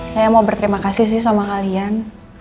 saya mau berterima kasih sih sama kalian